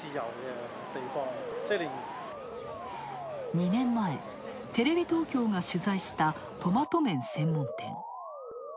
２年前、テレビ東京が取材したトマト麺専門店。